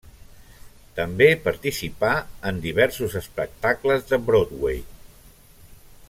També participà en diversos espectacles de Broadway.